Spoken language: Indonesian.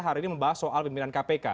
hari ini membahas soal pimpinan kpk